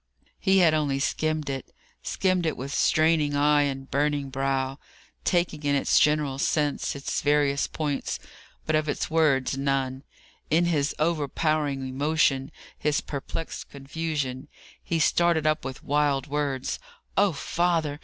He had only skimmed it skimmed it with straining eye and burning brow; taking in its general sense, its various points; but of its words, none. In his overpowering emotion his perplexed confusion he started up with wild words: "Oh, father!